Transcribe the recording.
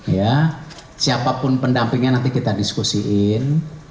ya siapapun pendampingnya nanti kita diskusiin